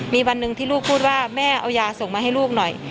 มีวันหนึ่งที่ลูกพูดว่าแม่เอายาส่งมาให้ลูกหน่อย